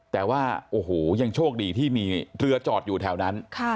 แต่ว่าโอ้โหยังโชคดีที่มีเรือจอดอยู่แถวนั้น